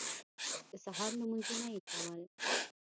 د سهار لمونځونه یې کول.